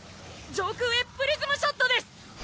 上空へプリズムショットです！